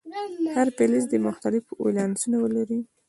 هر فلز دې مختلف ولانسونه ولري.